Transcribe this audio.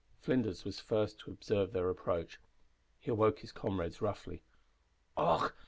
Flinders was first to observe their approach. He awoke his comrades roughly. "Och!